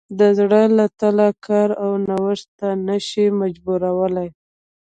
د زړه له تله کار او نوښت ته نه شي مجبورولی.